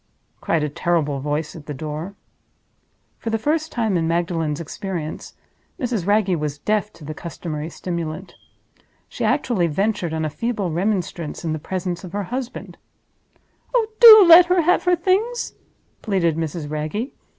cried a terrible voice at the door. For the first time in Magdalen's experience, Mrs. Wragge was deaf to the customary stimulant. She actually ventured on a feeble remonstrance in the presence of her husband. "Oh, do let her have her Things!" pleaded Mrs. Wragge.